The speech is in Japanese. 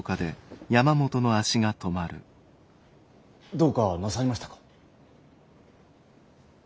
どうかなさいましたか？